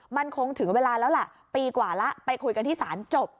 มันคงถึงเวลาแล้วล่ะปีกว่าแล้วไปคุยกันที่ศาลจบ